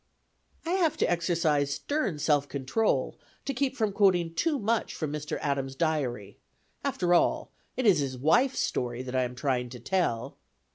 I have to exercise stern self control to keep from quoting too much from Mr. Adams' diary: after all, it is his wife's story that I am trying to tell.